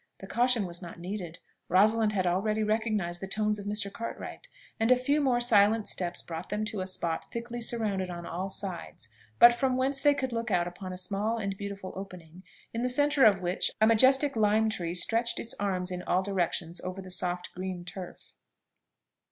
The caution was not needed: Rosalind had already recognised the tones of Mr. Cartwright, and a few more silent steps brought them to a spot thickly surrounded on all sides, but from whence they could look out upon a small and beautiful opening, in the centre of which a majestic lime tree stretched its arms in all directions over the soft green turf.